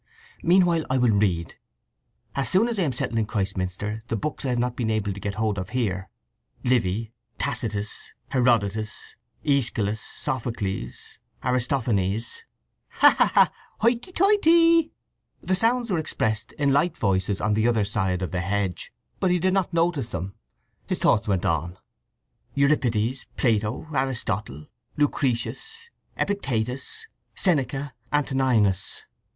"Meanwhile I will read, as soon as I am settled in Christminster, the books I have not been able to get hold of here: Livy, Tacitus, Herodotus, Æschylus, Sophocles, Aristophanes—" "Ha, ha, ha! Hoity toity!" The sounds were expressed in light voices on the other side of the hedge, but he did not notice them. His thoughts went on: "—Euripides, Plato, Aristotle, Lucretius, Epictetus, Seneca, Antoninus.